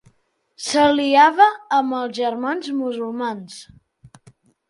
S'aliava amb els Germans Musulmans.